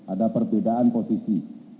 ada perbedaan posisi